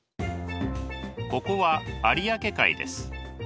ここは有明海です。